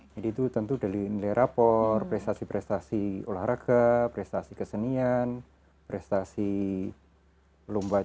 jadi itu tentu dari nilai rapor prestasi prestasi olahraga prestasi kesenian prestasi lomba cerdas